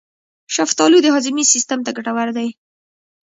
شفتالو د هاضمې سیستم ته ګټور دی.